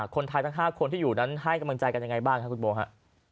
คนไทยทั้ง๕คนที่อยู่ด้านนั้นให้กำลังใจกันอย่างไรบ้างคะคุณโบครับ